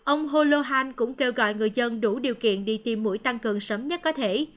ông holohan cũng kêu gọi người dân đủ điều kiện đi tiêm mũi tăng cường sớm nhất có thể